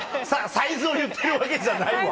サイズを言ってるわけじゃないわ。